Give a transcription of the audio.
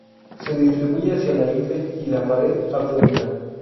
Se distribuye hacia la ingle y la "pared abdominal".